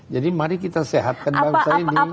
jadi mari kita sehatkan bangsa ini